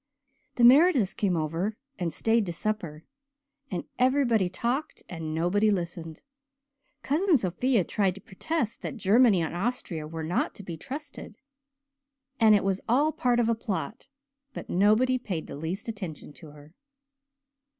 The Merediths came over and stayed to supper and everybody talked and nobody listened. Cousin Sophia tried to protest that Germany and Austria were not to be trusted and it was all part of a plot, but nobody paid the least attention to her.